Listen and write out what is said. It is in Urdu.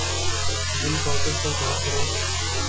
جم کورٹر پر غور کرو